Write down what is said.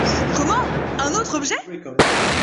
Comment ! un autre objet ?